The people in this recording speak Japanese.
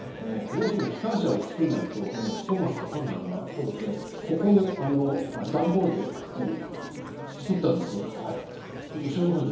どうしても機関車を作らないとトーマスって分からないからここに段ボールで作ったんですよ、後ろの方に。